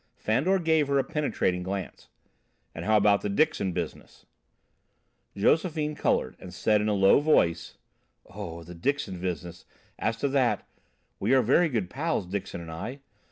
Fandor gave her a penetrating glance. "And how about the Dixon business?" Josephine coloured, and said in a low tone: "Oh, the Dixon business, as to that we are very good pals, Dixon and I.